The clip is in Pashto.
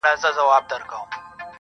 زما د دوو سترگو ډېوو درپسې ژاړم_